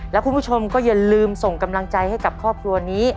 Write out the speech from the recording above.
แล้วคุณผู้ชมก็อย่าลืมส่งกำลังใจให้กับครอบครัวนี้